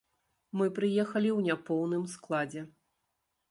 Мы прыехалі ў няпоўным складзе.